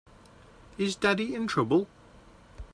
Is Daddy in trouble?